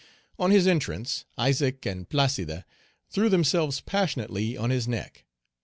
On his entrance, Isaac and Placide threw themselves passionately on his neck.